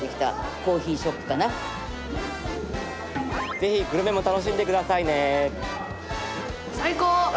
ぜひ、グルメも楽しんでくださいね。